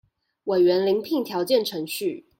委員遴聘條件程序